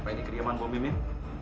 apa ini keriaman bu mimin